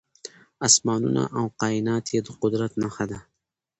اسمانونه او کائنات يې د قدرت نښه ده .